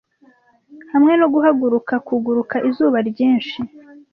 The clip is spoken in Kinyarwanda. Hamwe no guhaguruka kuguruka izuba ryinshi,